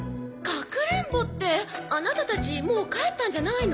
かくれんぼってアナタたちもう帰ったんじゃないの？